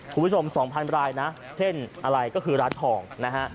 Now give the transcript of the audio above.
คุณผู้ชม๒๐๐รายนะเช่นอะไรก็คือร้านทองนะฮะ